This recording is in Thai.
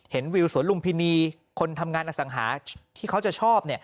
วิวสวนลุมพินีคนทำงานอสังหาที่เขาจะชอบ